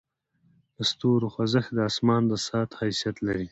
د ستورو خوځښت د اسمان د ساعت حیثیت لري.